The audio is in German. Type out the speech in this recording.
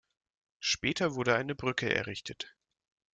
Später wurde eine Brücke errichtet.